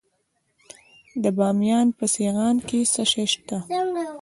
د بامیان په سیغان کې څه شی شته؟